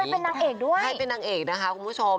เป็นนางเอกด้วยใครเป็นนางเอกนะคะคุณผู้ชม